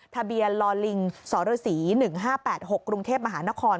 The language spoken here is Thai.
ทะเบียนลอลิงสรศรี๑๕๘๖กรุงเทพมหานคร